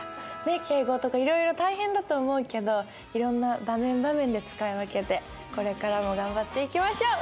敬語とかいろいろ大変だと思うけどいろんな場面場面で使い分けてこれからも頑張っていきましょう！